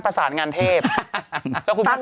กระทรวงอะไรบะ